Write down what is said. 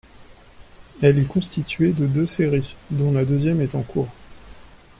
Elle est constituée de deux séries, dont la deuxième est en cours.